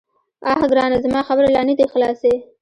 _اه ګرانه، زما خبرې لا نه دې خلاصي.